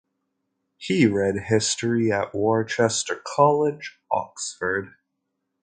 He read history at Worcester College, Oxford.